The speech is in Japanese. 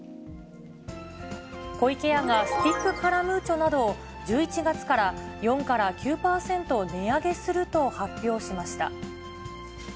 湖池屋がスティックカラムーチョなどを、１１月から４から９％値上げすると発表しました。